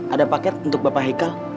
ada paket untuk bapak hikal